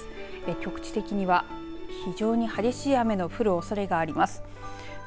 局地的には非常に激しい雨の降るおそれがあります。